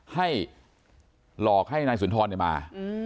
ให้หลอกให้นายสุนทรมา